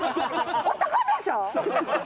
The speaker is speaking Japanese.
男でしょ！